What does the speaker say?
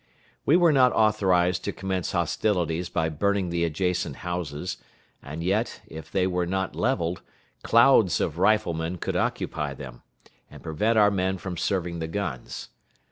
We were not authorized to commence hostilities by burning the adjacent houses, and yet, if they were not leveled, clouds of riflemen could occupy them, and prevent our men from serving the guns.